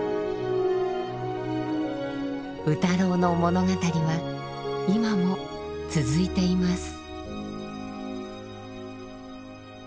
卯太郎の物語は今も続いています。